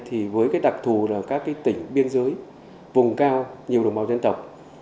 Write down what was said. thì với đặc thù là các tỉnh biên giới vùng cao nhiều đồng bào dân tộc